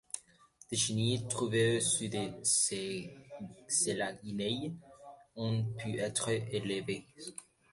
Des chenilles trouvées sur des sélaginelles ont pu être élevées.